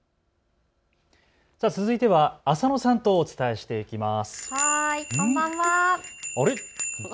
続いては浅野さんとお伝えしていきます。